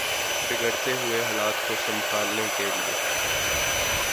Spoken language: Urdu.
بگڑتے ہوئے حالات کو سنبھالنے کے لیے